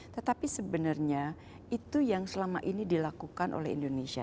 tetapi sebenarnya itu yang selama ini dilakukan oleh indonesia